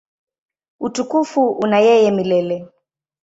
Utukufu una yeye milele.